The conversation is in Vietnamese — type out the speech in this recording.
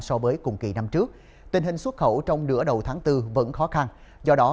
so với cùng kỳ năm trước tình hình xuất khẩu trong nửa đầu tháng bốn vẫn khó khăn do đó